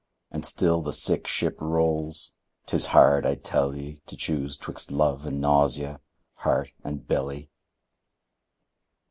And still the sick ship rolls. 'Tis hard, I tell ye, To choose 'twixt love and nausea, heart and belly.